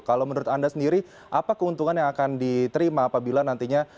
kalau menurut anda sendiri apa keuntungan yang akan diterima apabila nantinya